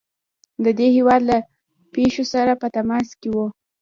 د دې هیواد له پیښو سره په تماس کې وو.